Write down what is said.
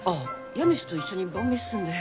家主と一緒に晩飯すんだよ。